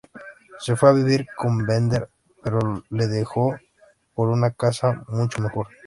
Se fue a vivir con Bender, pero le dejó por una casa mucho mejor.